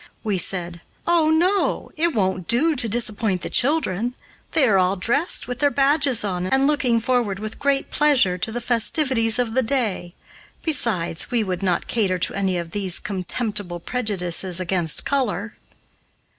We said, "Oh, no! It won't do to disappoint the children. They are all dressed, with their badges on, and looking forward with great pleasure to the festivities of the day. Besides, we would not cater to any of these contemptible prejudices against color."